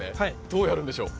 どうやるんでしょう？